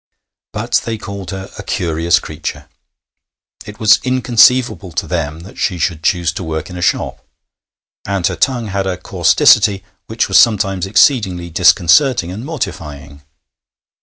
But they called her 'a curious creature'; it was inconceivable to them that she should choose to work in a shop; and her tongue had a causticity which was sometimes exceedingly disconcerting and mortifying.